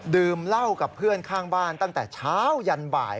ดื่มเหล้ากับเพื่อนข้างบ้านตั้งแต่เช้ายันบ่าย